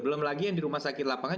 belum lagi yang di rumah sakit lapangan